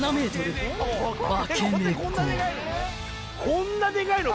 こんなでかいの？